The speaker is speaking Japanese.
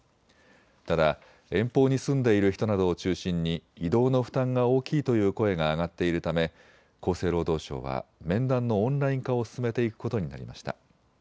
ただ遠方に住んでいる人などを中心に移動の負担が大きいという声が上がっているため厚生労働省は面談のオンライン化を進めていくことになりました。